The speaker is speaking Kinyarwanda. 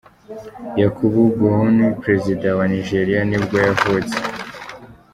Yakubu Gowon, perezida wa wa Nigeria nibwo yavutse.